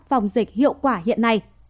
phòng dịch hiệu quả hiện nay